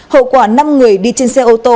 hậu quả năm người đi trên xe ô tô